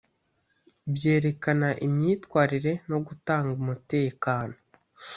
byerekana imyitwarire no gutanga umutekano